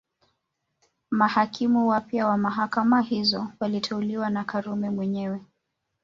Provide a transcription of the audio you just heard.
Mahakimu wapya wa mahakama hizo waliteuliwa na Karume mwenyewe